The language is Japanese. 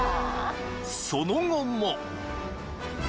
［その後も］